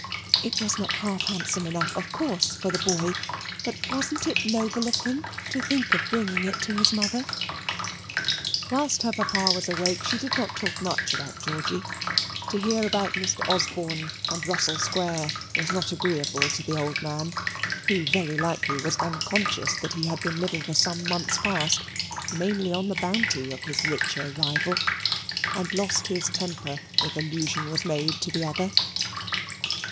It was not half handsome enough of course for the boy, but wasn't it noble of him to think of bringing it to his mother? Whilst her papa was awake she did not talk much about Georgy. To hear about Mr. Osborne and Russell Square was not agreeable to the old man, who very likely was unconscious that he had been living for some months past mainly on the bounty of his richer rival, and lost his temper if allusion was made to the other.